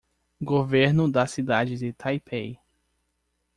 Governo da cidade de Taipei